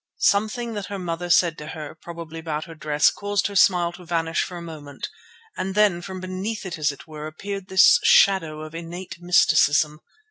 Something that her mother said to her, probably about her dress, caused her smile to vanish for a moment, and then, from beneath it as it were, appeared this shadow of innate mysticism.